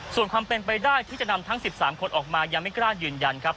ส่วนความเป็นไปได้ที่จะนำทั้ง๑๓คนออกมายังไม่กล้ายืนยันครับ